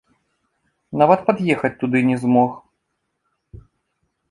Нават пад'ехаць туды не змог.